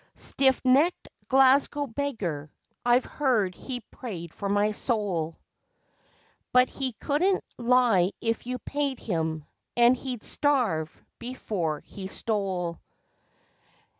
Stiff necked Glasgow beggar, I've heard he's prayed for my soul, But he couldn't lie if you paid him, and he'd starve before he stole.